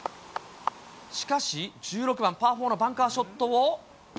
しかし、１６番パー４のバンカーショットを。